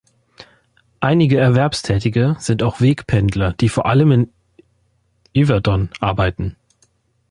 Einige Erwerbstätige sind auch Wegpendler, die vor allem in Yverdon arbeiten.